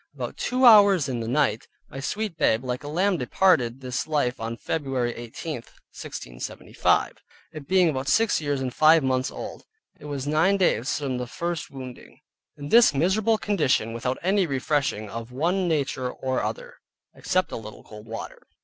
About two hours in the night, my sweet babe like a lamb departed this life on Feb. 18, 1675. It being about six years, and five months old. It was nine days from the first wounding, in this miserable condition, without any refreshing of one nature or other, except a little cold water.